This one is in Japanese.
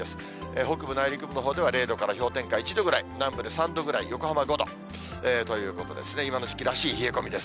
北部内陸部のほうでは０度から氷点下１度ぐらい、南部で３度ぐらい、横浜５度ということですね、今の時期らしい冷え込みです。